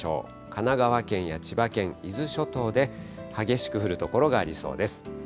神奈川県や千葉県、伊豆諸島で激しく降る所がありそうです。